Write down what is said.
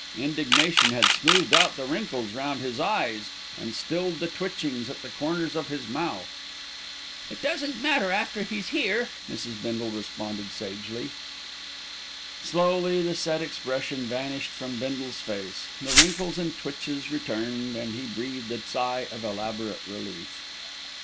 Indignation had smoothed out the wrinkles round his eyes and stilled the twitchings at the corners of his mouth. "It doesn't matter after he's here," Mrs. Bindle responded sagely. Slowly the set expression vanished from Bindle's face; the wrinkles and twitches returned, and he breathed a sigh of elaborate relief.